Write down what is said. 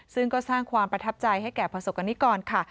ซึ่งก็สร้างความประทับใจให้แก่ประสบกรณิกรค่ะ